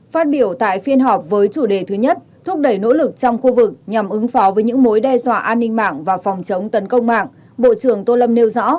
phát biểu tại phiên họp với chủ đề thứ nhất thúc đẩy nỗ lực trong khu vực nhằm ứng phó với những mối đe dọa an ninh mạng và phòng chống tấn công mạng bộ trưởng tô lâm nêu rõ